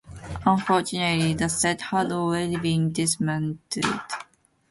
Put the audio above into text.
Unfortunately, the set had already been dismantled.